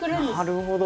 なるほど。